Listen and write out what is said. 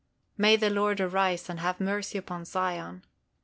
May the Lord arise and have mercy upon Zion.